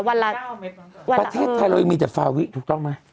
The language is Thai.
วันละประเทศไทยเรายังมีจากฟาวิถูกต้องไหม